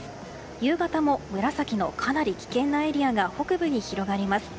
夕方も紫のかなり危険なエリアが北部に広がります。